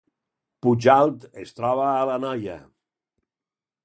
Pujalt es troba a l’Anoia